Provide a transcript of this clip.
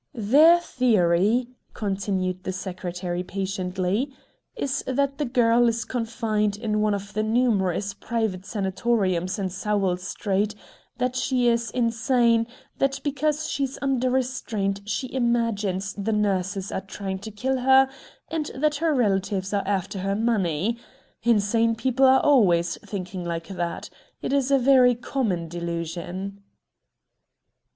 "Their theory," continued the Secretary patiently, "is that the girl is confined in one of the numerous private sanatoriums in Sowell Street, that she is insane, that because she's under restraint she IMAGINES the nurses are trying to kill her and that her relatives are after her money. Insane people are always thinking that. It's a very common delusion."